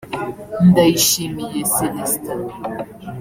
Ndayishimiye Celestin